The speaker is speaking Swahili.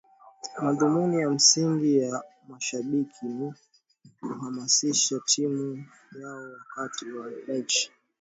madhumuni ya msingi ya mashabiki ni kuhamasisha timu yao wakati wa mechi